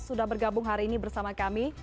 sudah bergabung hari ini bersama kami